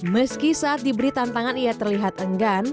meski saat diberi tantangan ia terlihat enggan